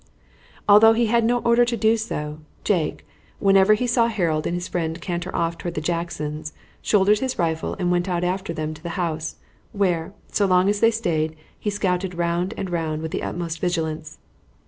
Although he had no order to do so, Jake, whenever he saw Harold and his friend canter off toward the Jacksons, shouldered his rifle and went out after them to the house, where, so long as they stayed, he scouted round and round with the utmost vigilance.